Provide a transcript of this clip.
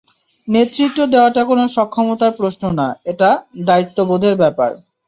নেতৃত্ব দেওয়াটা কোনও সক্ষমতার প্রশ্ন না, এটা দায়িত্ববোধের ব্যাপার।